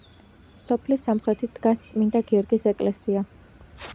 სოფლის სამხრეთით დგას წმინდა გიორგის ეკლესია.